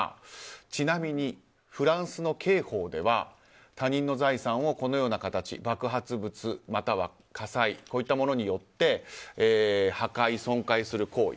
ちなみに、フランスの刑法では他人の財産をこのような形爆発物または火災こういったものによって破壊、損壊する行為